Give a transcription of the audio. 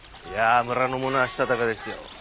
いや村の者はしたたかですよ。